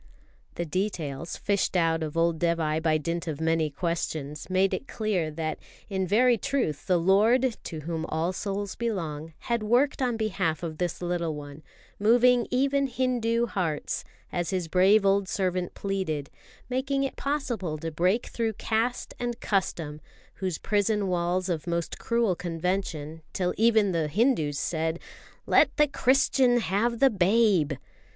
The details, fished out of Dévai by dint of many questions, made it clear that in very truth the Lord, to whom all souls belong, had worked on behalf of this little one; moving even Hindu hearts, as His brave old servant pleaded, making it possible to break through caste and custom, those prison walls of most cruel convention, till even the Hindus said: "Let the Christian have the babe!"